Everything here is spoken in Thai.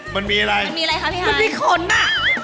มันมีอะไรมันมีขนอ่ะ